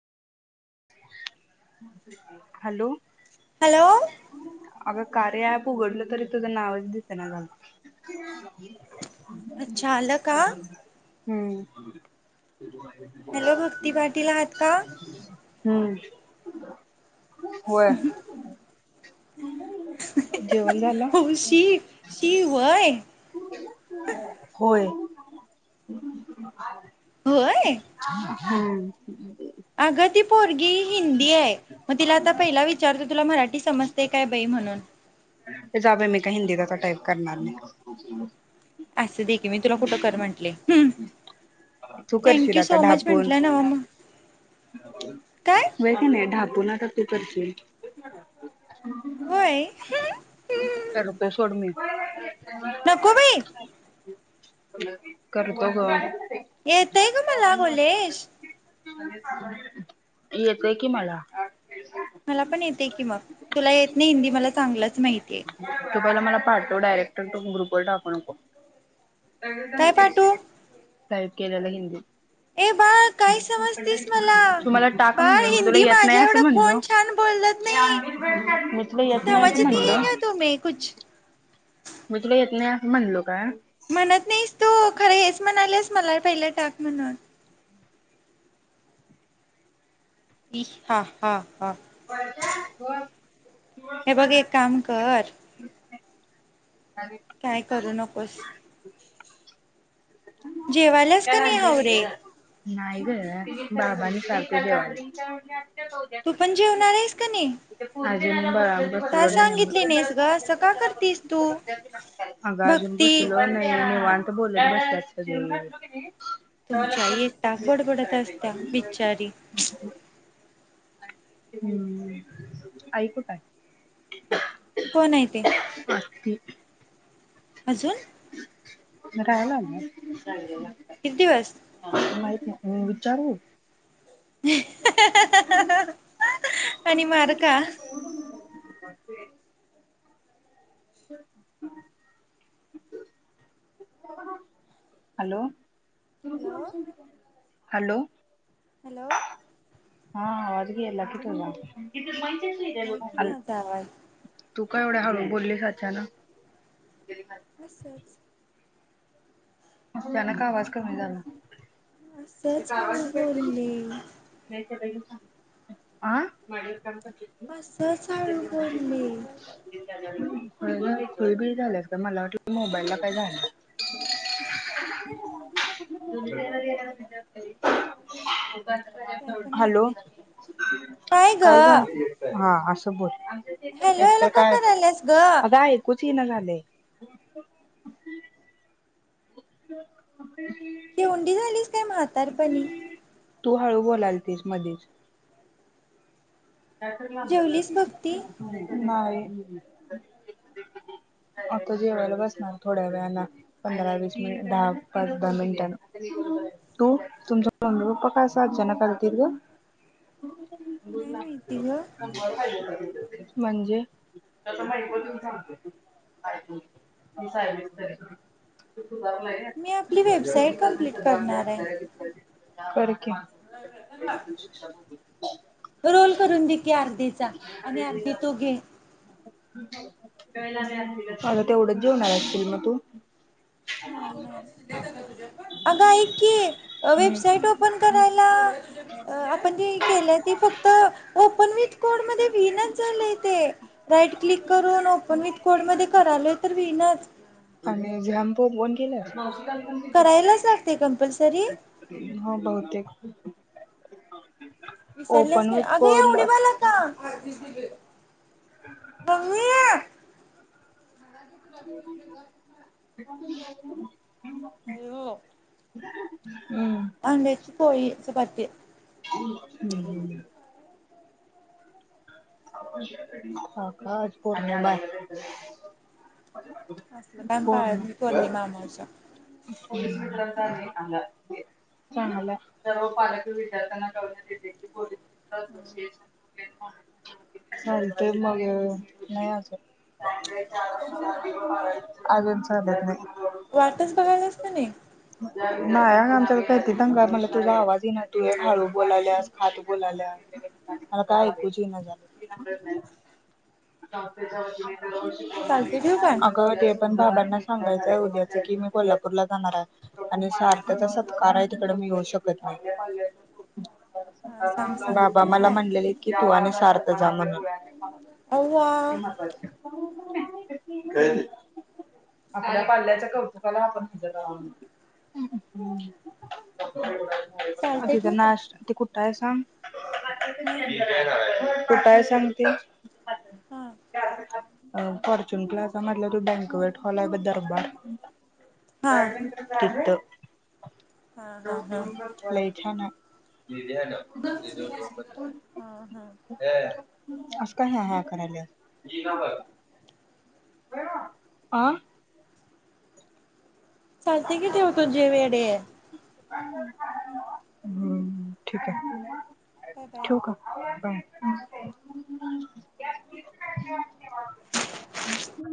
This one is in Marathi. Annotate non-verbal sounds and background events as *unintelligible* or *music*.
हलो हॅलो अग कार्य ऍप उघडलं तरी तुझं नावच दिसेना झाला. अच्छा आलं का हम्म हॅलो भक्ती पाटील आहात का? हम्म होय जेवण झालं? हो शि शि होवय अ होय होय हुम्म अगं ती पोरगी हिंदी आहे मग तिला आता पहिला विचारतो तुला मराठी समजते काय बाई म्हणून काही हिंदीत आता टाईप करणार नाही. असं दे की मी तुला कुठं कर म्हटले तू थँंक करशील यू आता सो मच ढापून म्हटलं ना हो म होकी नाही ढाप कोणाकडते पैशे होय करतो सोड मी कामावर नको बाई चाललेत की काय? करतो ग येतं ग मला बोल्लेश *unintelligible* येतंय कि मला मला पण येते की मग तुला येत नाही हिंदी मला चांगलं माहितेय तु बरं मला पाठव डायरेक्ट तु ग्रुपवर टाकू नको. काय पाठवू *unintelligible* टाईप केलेला हिंदीत. ए बाळ काय समजतेस मला? तुम्हाला टाक बाळ म्हणलं मी तुला हिंदी येत नाही माझ्या एवढं असं म्हणलो. कोण छान बोलत नाही. मी तुला येत नाही असं समजती म्हणलो हे क्या तुम्हे कुछ? मी तुला येत नाही असं म्हणलो का? म्हणत नाहीस तू खरं हेच म्हणालेस मला पहिले टाक म्हणून. ईश हा-हा! हा हे बघ एक काम कर काय करू नकोस. जेवाल्यास काल काने आणलेली हावरे? ग. नाही ग बाबाांनी सारखं *unintelligible* तू पण जेवणारेस क ने? *unintelligible* *unintelligible* अगं नाहीस ग अजुन असं का करतीस बसलो तू नाही निवांत भक्ती आत्ता बोलत बसल्यात सगळीजन *unintelligible* तुमची आई एकटाक बडबडत असत्या, बिच्चारी. हम्म! ऐकू काय कोण हाय ते? अ अजून म राह्यला आल्यात? किती दिवस? विचारू? *unintelligible* आणि मार खा. े *unintelligible* *unintelligible* ऍलो! Hello *unintelligible* hello! हॅलो! हा आवाज गेला की तुझा. हाय की माझा आवाज तू का एवढ्या हाळू बोललीस आचानक? असच. अचानक आवाज कमी झाला. ती असच हाळू कारवांची बोलली आं *unintelligible* *unintelligible* असंच हळू बोलले झालंस का मला वाट मोबाईलला काय झालं. *inaudible* काय पण *unintelligible* हॅलो वाटते तुला काय जा हा अस बोल हॅलो हॅलो एकतर का कराल्यास ग तीन झाले. *unintelligible* किवंडी झाली काय म्हातारपणी तू हळू बोलालतिस मधीच जेवलीस भक्ती *unintelligible* आता जेवायला बसणार थोड्या वेळाला पंधरा वीस मिनि दहा पाच दहा मिनिटां तू तुमचा मम्मी पप्पा का अस अचानक आलतीत ग *unintelligible* काय माहिती ग म्हणजे सुधारलंय घ्या मी आपली वेबसाईट पोरींच्यात कंप्लीट सगळ ह्या करणार आहे *unintelligible* कर *unintelligible* *inaudible* रोल करून दे की अर्धीचा आणि अर्धी तू घे आता तेवढंच जेवणा असतील मग तू नाही नाय अग ऐक कि वेबसाईट ओपन करायला आपण ती केल्या ती फक्त ओपन वि कोड मध्ये विणच झालय ते राईट क्लिक करून ओपन विथ कोड मध्ये करालोय तर विनंच *unintelligible* केल्या करायलाच लागते कंपल्स तरी हो बहुतेक ओपन विसरलेच विथ अगं या कोडला उडीवाला का? *inaudible* *inaudible* *unintelligible* *unintelligible* *unintelligible* *unintelligible* *unintelligible* होळीचं वाद्य *inaudible* *inaudible* आकाश भरून याला लागलंय असलं काम पाळत नाही रे. पौर्णिमा अमावस्या *inaudible* चांगलं हाय, सर्व पालक विद्यार्थ्यांना कळवतात की पोलीस *unintelligible* ह चालतय मग नाही अजून अजून चालत नाही. वाटच बघायलास का नाही नाही अंग आमच्याकडे काय ती दंगा क मला तुझा आवाज ये ना तू हे हळू बोलाल्यास खात बोलाल्यास मला काय कुचं ईना झालय. चालते ठेवू काय *unintelligible* अगं ते पण भाब सांगायचंय उद्याच की मी कोल्हापूरला जाणार हाय. आणि सारथ्याचा सत्कार आहे तिकड मी येऊ शकत नाय. हा सांग सांग बाबा ठेवू मला काय म्हणल्याले. किंवा तू आणि सार्थ जा म्हटले. हे अव्वा महत्वाचं आपल्या पाल्याच्या कौतुकाला आपण हजर चालते अरे ठेवू काय त्यांना ते कुठं काय सांग. हा *unintelligible* कुठाय सांग ते. हा अ फॉर्च्युून प्लाझा मधलं तू बँकवट हॉल आहे ब दरबार हा गार्डनकडे जायचंय, तिथं हा हा हा लई छान हाय. हा हा *unintelligible* अस काय ह्या ह्या करायलात. अ चालतंय की ठेवतो जेव वेडे. *inaudible* हम ठीक आहे. बाय बाय ठेऊ का बाय हा ह्